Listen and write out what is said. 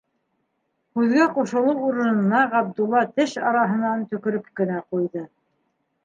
Һүҙгә ҡушылыу урынына Ғабдулла теш араһынан төкөрөп кенә ҡуйҙы.